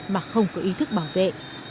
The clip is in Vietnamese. mà không có ý thức bảo vệ